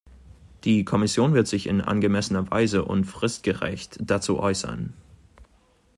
Die Kommission wird sich in angemessenster Weise und fristgerecht dazu äußern.